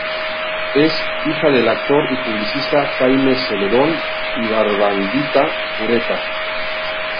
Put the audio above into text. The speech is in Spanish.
Es hija del actor y publicista Jaime Celedón y Bernardita Ureta.